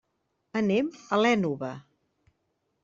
Anem a l'Ènova.